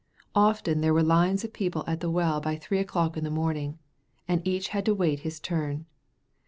Often there were lines of people at the well by three o'clock in the morning, and each had to wait his turn.